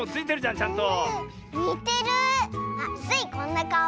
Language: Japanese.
あっスイこんなかお？